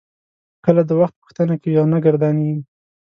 کله د وخت پوښتنه کوي او نه ګردانیږي.